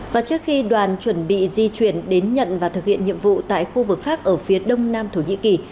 và trước khi đoàn chuẩn bị di chuyển đến nhận và thực hiện nhiệm vụ tại khu vực khác ở phía đông nam thổ nhĩ kỳ